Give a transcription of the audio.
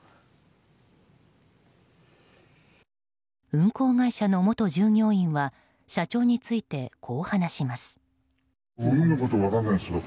運航会社の元従業員は社長について、こう話します。